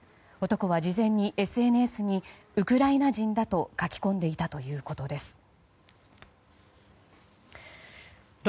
男は事前にＳＮＳにウクライナ人だと書き込んでいたということです。